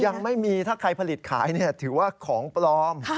ยังไม่มีถ้าใครผลิตขายถือว่าของปลอม